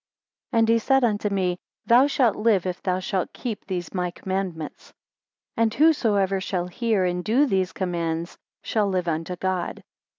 17 And he said unto me, Thou shalt live if thou shalt keep these my commandments. And whosoever shall hear and do these commands shall live unto God.